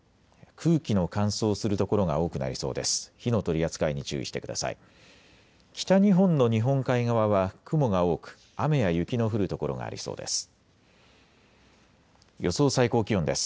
空気の乾燥する所が多くなりそうです。